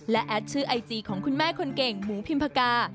และแอดชื่อไอจีของคุณแม่คนเก่งหมูพิมพากา